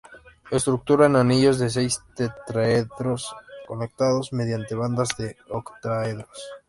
Estructura en anillos de seis tetraedros conectados mediante bandas de octaedros.